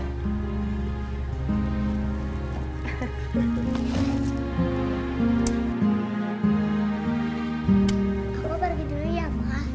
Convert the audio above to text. aku pergi dulu ya ma